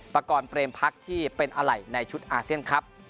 ประกอบเปรมพักที่เป็นอะไรในชุดอาเซียนครับ